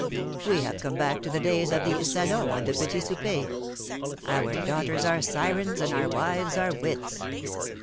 We have come back to the days of the salon and the petit souper. Our daughters are sirens and our wives are wits."